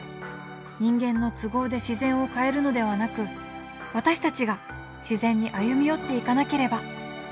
人間の都合で自然を変えるのではなく私たちが自然に歩み寄っていかなければ。